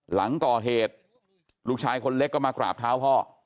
หลังก่อเหตุลูกชายคนเล็กก็มากราบเท้าพ่อ